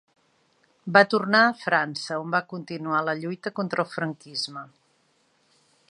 Va tornar a França, on va continuar la lluita contra el franquisme.